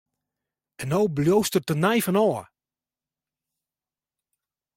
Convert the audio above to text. En no bliuwst der tenei fan ôf!